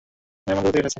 মেহমান কোথা থেকে এসেছে?